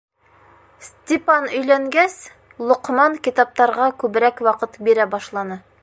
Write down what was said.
Степан өйләнгәс, Лоҡман китаптарға күберәк ваҡыт бирә башланы.